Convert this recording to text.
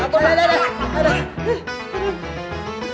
aduh aduh aduh